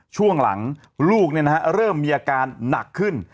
ช่วงหลังลูกเนี่ยนะฮะเริ่มมีอาการหนักขึ้น